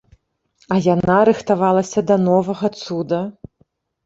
А яна рыхтавалася да новага цуда.